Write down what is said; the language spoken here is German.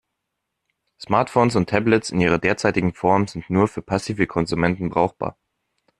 Smartphones und Tablets in ihrer derzeitigen Form sind nur für passive Konsumenten brauchbar.